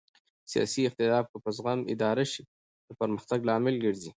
سیاسي اختلاف که په زغم اداره شي د پرمختګ لامل ګرځي